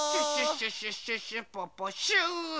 シュッシュッシュッポッポシュ！